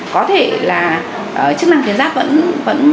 có thể là chức năng tuyến giáp